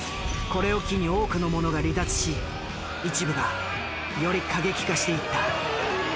これを機に多くの者が離脱し一部がより過激化していった。